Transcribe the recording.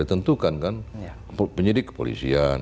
ditentukan kan penyidik kepolisian